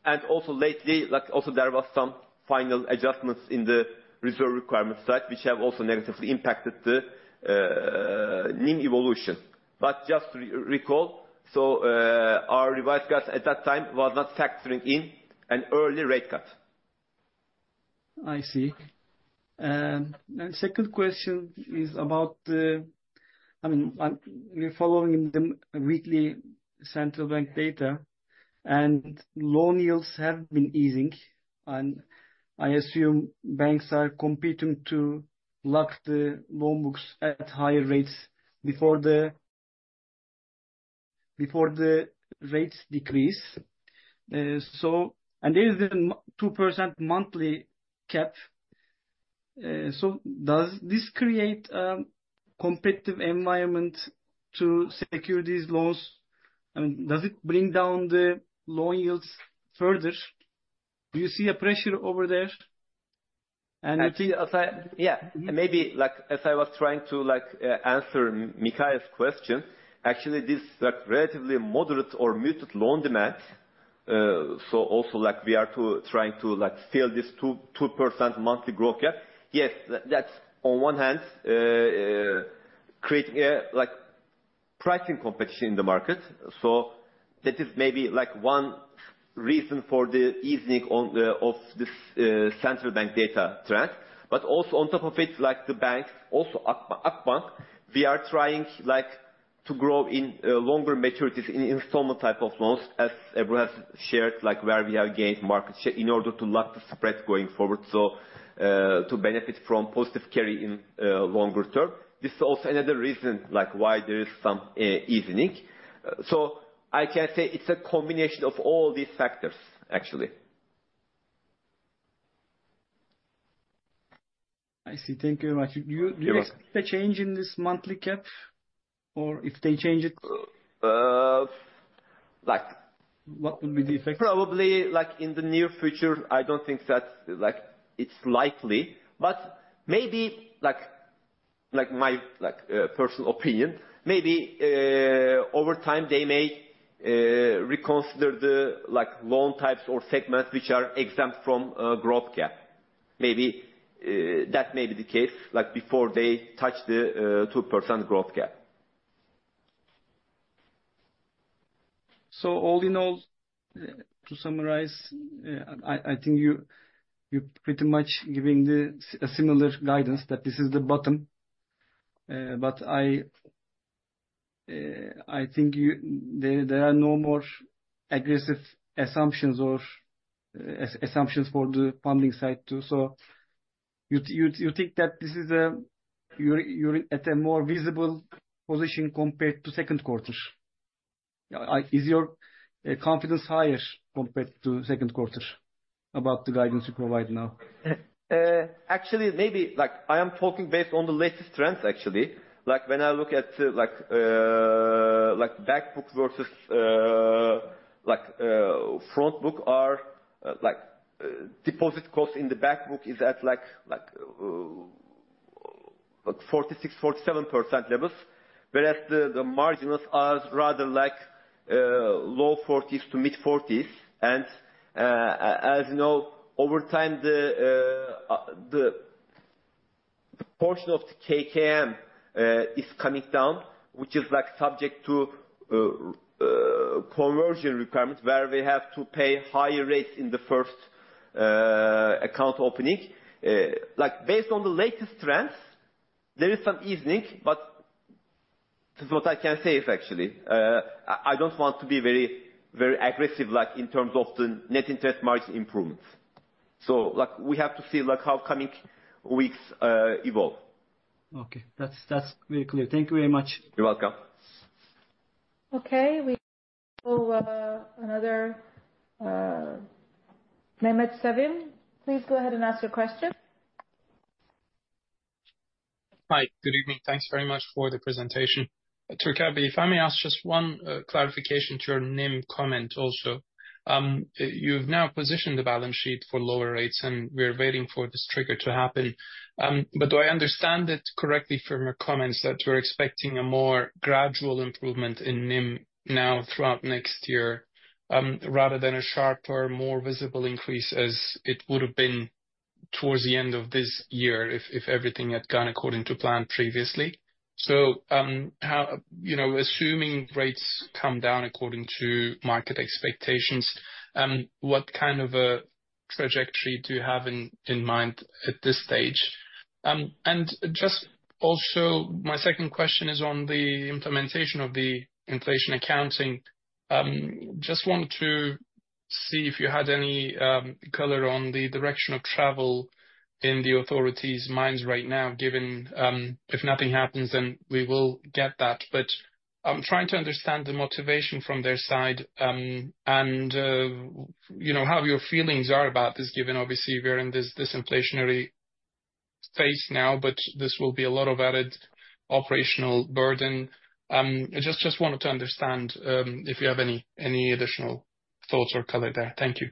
[SPEAKER 3] And also lately, like also there was some final adjustments in the reserve requirement side, which have also negatively impacted the NIM evolution. But just to recall, so, our revised guidance at that time was not factoring in an early rate cut. I see. And the second question is about the... I mean, I'm, we're following the weekly Central Bank data, and loan yields have been easing, and I assume banks are competing to lock the loan books at higher rates before the, before the rates decrease. So and there is a 2% monthly cap. So does this create a competitive environment to secure these loans? I mean, does it bring down the loan yields further? Do you see a pressure over there? And- Actually, yeah, maybe like as I was trying to, like, answer Mikhail's question, actually, this, like, relatively moderate or muted loan demand, so also like we are trying to like fill this 2% monthly growth gap. Yes, that's on one hand creating a, like, pricing competition in the market. So that is maybe like one reason for the easing of this Central Bank data trend. But also on top of it, like the banks, also Akbank, we are trying, like, to grow in longer maturities in installment type of loans, as Ebru has shared, like where we have gained market share, in order to lock the spreads going forward, so to benefit from positive carry in longer term. This is also another reason, like, why there is some easing. So I can say it's a combination of all these factors, actually. I see. Thank you very much. You're welcome. Do you expect a change in this monthly cap, or if they change it? Uh, like- What will be the effect? Probably, like, in the near future, I don't think that, like, it's likely, but maybe like, like my, like, personal opinion, maybe, over time, they may, reconsider the, like, loan types or segments which are exempt from, growth cap. Maybe, that may be the case, like, before they touch the, 2% growth cap. So all in all, to summarize, I think you're pretty much giving a similar guidance that this is the bottom. But I think you... There are no more aggressive assumptions or assumptions for the funding side, too. So you think that this is, you're at a more visible position compared to second quarter? Is your confidence higher compared to second quarter about the guidance you provide now? Actually, maybe, like, I am talking based on the latest trends, actually. Like, when I look at, like, back book versus, like, front book, our, like, deposit cost in the back book is at like, 46%-47% levels, whereas the margins are rather like, low 40s to mid-40s. And, as you know, over time, the portion of the KKM is coming down, which is like subject to, conversion requirements, where we have to pay higher rates in the first, account opening. Like, based on the latest trends, there is some easing, but... This is what I can say is actually, I don't want to be very, very aggressive, like in terms of the net interest margin improvements. So like, we have to see like how coming weeks evolve. Okay, that's, that's very clear. Thank you very much. You're welcome.
[SPEAKER 2] Okay. We go another, Mehmet Sevim, please go ahead and ask your question. Hi. Good evening. Thanks very much for the presentation. Türker, if I may ask just one clarification to your NIM comment also. You've now positioned the balance sheet for lower rates, and we're waiting for this trigger to happen. But do I understand it correctly from your comments that you're expecting a more gradual improvement in NIM now throughout next year, rather than a sharper, more visible increase, as it would have been towards the end of this year if everything had gone according to plan previously? How you know, assuming rates come down according to market expectations, what kind of a trajectory do you have in mind at this stage? And just also, my second question is on the implementation of the inflation accounting. Just wanted to see if you had any color on the direction of travel in the authority's minds right now, given if nothing happens, then we will get that. But I'm trying to understand the motivation from their side, and you know, how your feelings are about this, given obviously we're in this inflationary phase now, but this will be a lot of added operational burden. I just wanted to understand if you have any additional thoughts or color there. Thank you.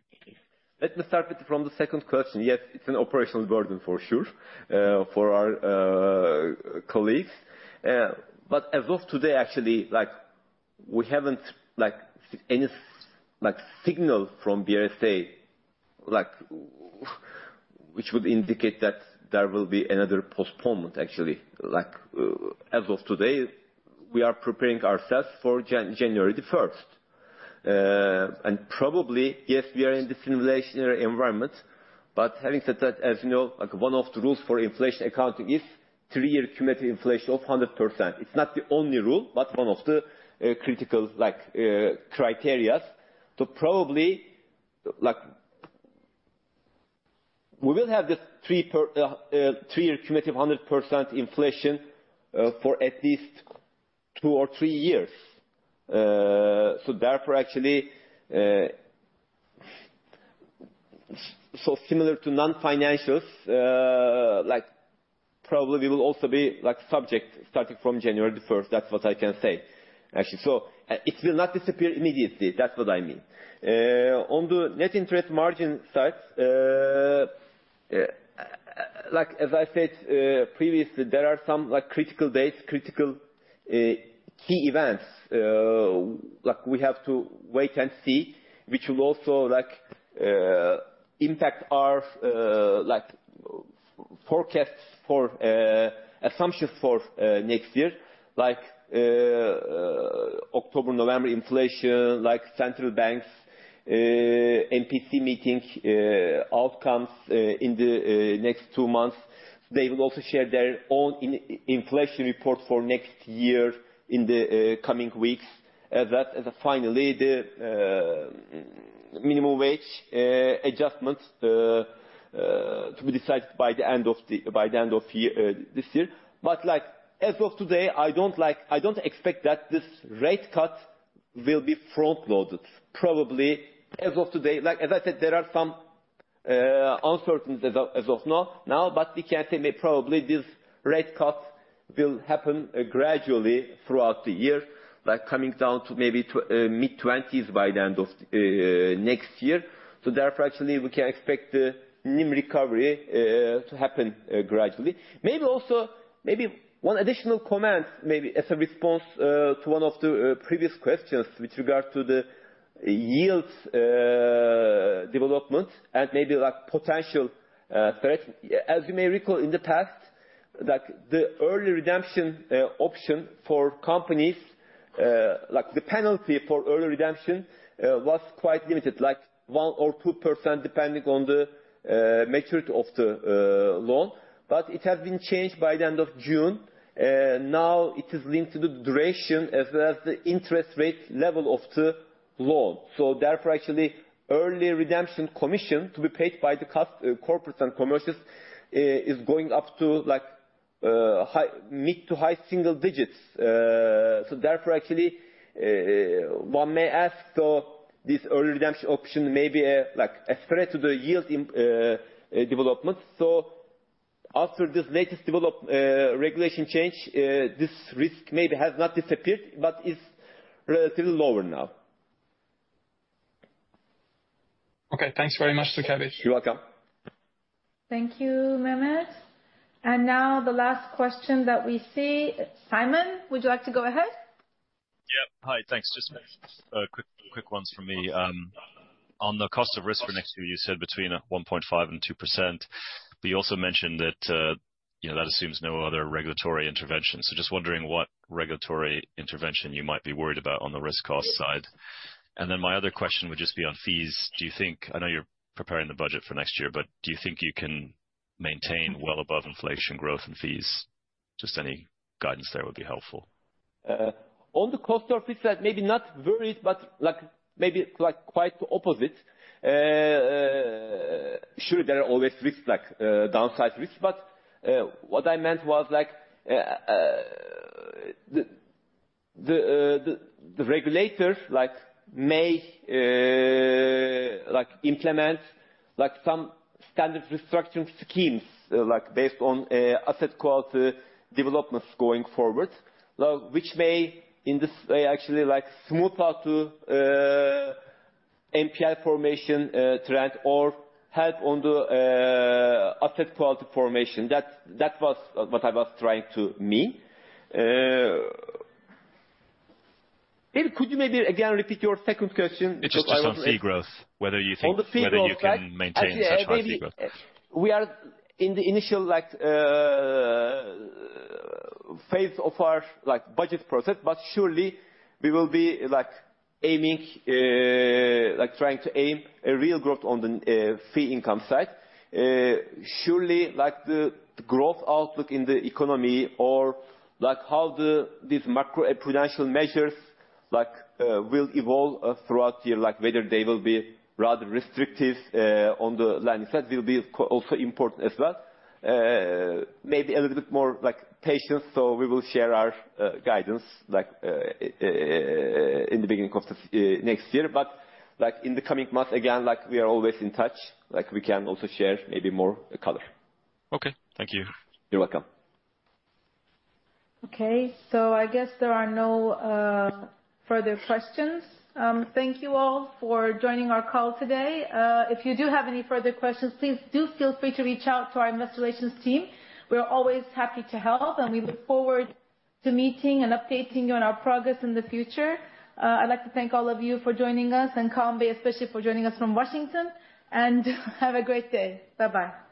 [SPEAKER 3] Let me start from the second question. Yes, it's an operational burden for sure, for our colleagues. But as of today, actually, like we haven't like any like signal from the BRSA, like which would indicate that there will be another postponement, actually. Like, as of today, we are preparing ourselves for January 1st. And probably, yes, we are in this inflationary environment, but having said that, as you know, like one of the rules for inflation accounting is three-year cumulative inflation of 100%. It's not the only rule, but one of the critical criteria. So probably, like, we will have this three-year cumulative 100% inflation, for at least two or three years. So therefore, actually. So similar to non-financial, like probably we will also be like subject starting from January the 1st. That's what I can say, actually. So it will not disappear immediately. That's what I mean. On the net interest margin side, like as I said, previously, there are some, like critical dates, key events, like we have to wait and see, which will also, like, impact our, like, forecasts for, assumptions for, next year. Like, October, November inflation, like Central Bank's, MPC meeting, outcomes, in the, next two months. They will also share their own Inflation Report for next year in the, coming weeks. That, and finally, the, minimum wage, adjustments, to be decided by the end of year, this year. But like as of today, I don't like. I don't expect that this rate cut will be front loaded. Probably, as of today, like, as I said, there are some uncertainties as of now, but we can say maybe probably this rate cut will happen gradually throughout the year, like coming down to maybe mid-twenties by the end of next year. So therefore, actually, we can expect the NIM recovery to happen gradually. Maybe also, maybe one additional comment, maybe as a response to one of the previous questions with regard to the yields development and maybe like potential threat. As you may recall in the past, like the early redemption option for companies, like the penalty for early redemption was quite limited, like 1% or 2%, depending on the maturity of the loan, but it has been changed by the end of June. Now it is linked to the duration as well as the interest rate level of the loan. So therefore, actually, early redemption commission to be paid by the corporates and commercials is going up to like high, mid- to high single digits. So therefore, actually, one may ask, so this early redemption option may be a like a threat to the yield improvement. So after this latest development regulation change, this risk, maybe, has not disappeared but is relatively lower now. Okay, thanks very much, Türker. You're welcome.
[SPEAKER 2] Thank you, Mehmet. And now the last question that we see. Simon, would you like to go ahead? Yeah. Hi, thanks. Just quick ones from me. On the cost of risk for next year, you said between 1.5% and 2%. But you also mentioned that you know that assumes no other regulatory intervention. So just wondering what regulatory intervention you might be worried about on the risk cost side? And then my other question would just be on fees. Do you think... I know you're preparing the budget for next year, but do you think you can-... maintain well above inflation growth in fees? Just any guidance there would be helpful.
[SPEAKER 3] On the cost of risk, that maybe not worries, but like, maybe like quite the opposite. Sure, there are always risks, like, downside risks, but what I meant was, like, the regulators, like, may, like, implement, like, some standard restructuring schemes, like based on, asset quality developments going forward. Now, which may, in this way, actually, like, smoother to NPL formation trend or help on the, asset quality formation. That was what I was trying to mean. David, could you maybe again repeat your second question? It's just on fee growth, whether you think- On the fee growth- Whether you can maintain such fee growth? We are in the initial, like, phase of our, like, budget process, but surely we will be, like, aiming, like trying to aim a real growth on the fee income side. Surely, like, the growth outlook in the economy or like how these macroprudential measures, like, will evolve throughout the year, like whether they will be rather restrictive on the lending side will be also important as well. Maybe a little bit more like patient, so we will share our guidance like in the beginning of the next year. But like in the coming months, again, like we are always in touch, like we can also share maybe more color. Okay. Thank you. You're welcome.
[SPEAKER 2] Okay. So I guess there are no further questions. Thank you all for joining our call today. If you do have any further questions, please do feel free to reach out to our investor relations team. We are always happy to help, and we look forward to meeting and updating you on our progress in the future. I'd like to thank all of you for joining us and Kaan, especially for joining us from Washington. And have a great day. Bye-bye.